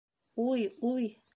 Уй, уй!